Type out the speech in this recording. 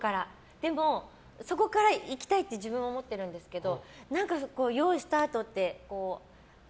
そこから行きたいって自分は思ってるんですけど